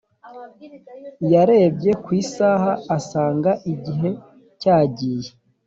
yarebye ku isaha asanga igihe cya giye